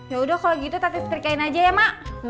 yaudah kalo gitu tati sprikain aja ya mak